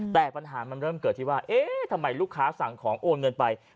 แต่ปัญหามันเริ่มเกิดที่ว่าเอ๊ะทำไมลูกค้าสั่งของโอนเงินไป